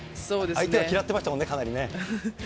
相手は嫌ってましたもんね、かなりね。